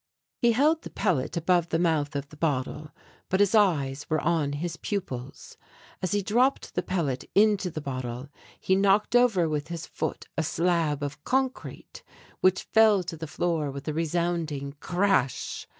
He held the pellet above the mouth of the bottle, but his eyes were on his pupils. As he dropped the pellet into the bottle, he knocked over with his foot a slab of concrete, which fell to the floor with a resounding crash.